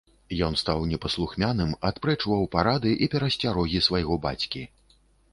Ён стаў непаслухмяным, адпрэчваў парады і перасцярогі свайго бацькі.